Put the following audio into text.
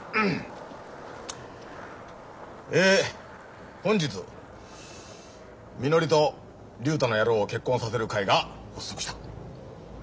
え本日みのりと竜太の野郎を結婚させる会が発足した。